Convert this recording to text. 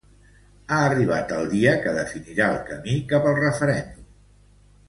Ha arribat el dia que definirà el camí cap al referèndum.